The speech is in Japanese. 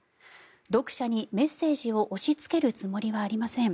読者にメッセージを押しつけるつもりはありません。